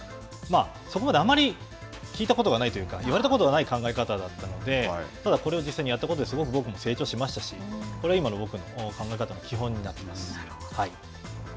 そこまであまり聞いたことがないというか言われたことがない考え方だったのでこれを実際にやったことで僕も成長しましたし、これが今の僕の考え方の基本になっています。